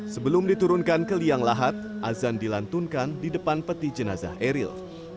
sebelum diturunkan ke liang lahat azan dilantunkan di depan peti jenazah eril